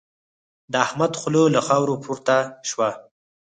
د احمد خوله له خاورو پورته شوه.